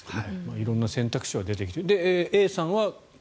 色んな選択肢は出てきている。